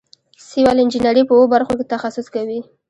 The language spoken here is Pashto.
سیول انجینران په اوو برخو کې تخصص کوي.